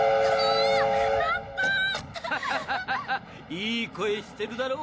いい声してるだろう？